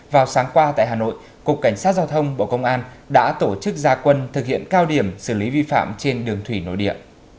vào sáng qua tại hà nội cục cảnh sát giao thông bộ công an đã tổ chức gia quân thực hiện cao điểm xử lý vi phạm trên đường thủy nội địa